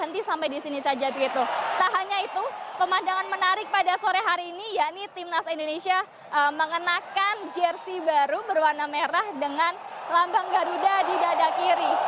tidak hanya itu kemarin timnas indonesia mengenakan jersi baru berwarna merah dengan lambang garuda di dada kiri